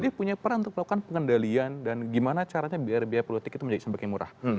dia punya peran untuk melakukan pengendalian dan gimana caranya biar biaya politik itu menjadi semakin murah